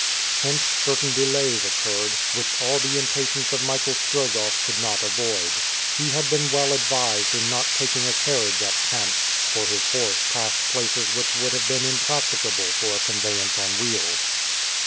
Hence certain delays occurred, which all the impatience of Michael Strogoff could not avoid. He had been well advised in not taking a carriage at Kamsk, for his horse passed places which would have been impracticable for a conveyance on wheels.